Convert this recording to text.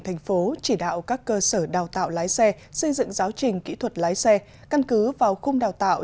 thành phố chỉ đạo các cơ sở đào tạo lái xe xây dựng giáo trình kỹ thuật lái xe căn cứ vào khung đào tạo